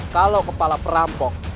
kalau kepala perampok